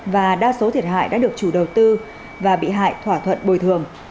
và đa số thiệt hại đã được chủ đầu tư và bị hại thỏa thuận bồi thường